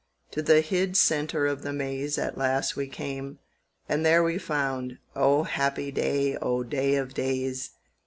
To the hid centre of the maze At last we came, and there we found O happy day, O day of days!